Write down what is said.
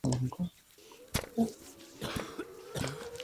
Tácito fue sucedido por su hermano Floriano.